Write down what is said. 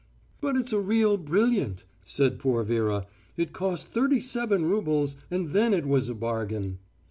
"But it's a real brilliant," said poor Vera. "It cost thirty seven roubles, and then it was a bargain."